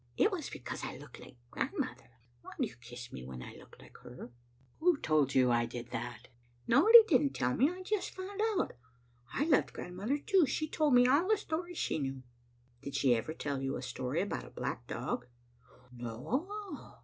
It was becamse I looked like grandmother. Why do you kiss me when I look like her?" " Who told you I did that?" " Nobody didn't tell me. I just found out. I loved grandmother too. She told me all the stories she knew." " Did she ever tell you a story about a black dog?" " No.